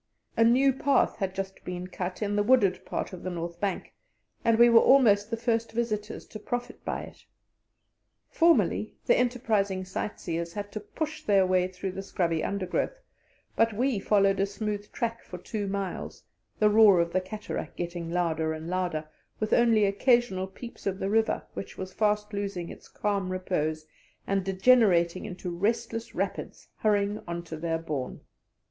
A new path had just been cut in the wooded part of the north bank, and we were almost the first visitors to profit by it. Formerly the enterprising sight seers had to push their way through the scrubby undergrowth, but we followed a smooth track for two miles, the roar of the cataract getting louder and louder, with only occasional peeps of the river, which was fast losing its calm repose and degenerating into restless rapids hurrying on to their bourne.